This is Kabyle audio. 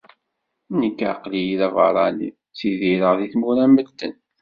Nekk aql-i d aberrani, ttidireɣ deg tmura medden